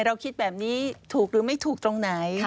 เราคิดแบบนี้ถูกหรือไม่ถูกตรงไหน